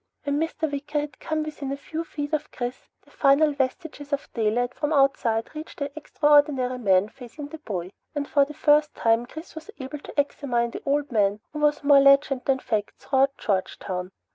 When Mr. Wicker had come within a few feet of Chris, the final vestiges of daylight from outside reached the extraordinary man facing the boy, and for the first time Chris was able to examine the old man who was more legend than fact throughout Georgetown.